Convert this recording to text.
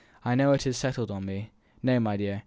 "I know it is settled on me." "No, my dear.